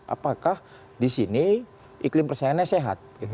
apakah di sini iklim persaingannya sehat